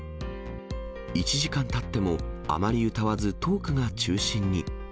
１時間たってもあまり歌わず、トークが中心に。